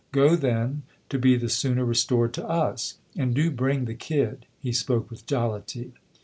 " Go, then to be the sooner restored to us. And do bring the kid !" He spoke with jollity.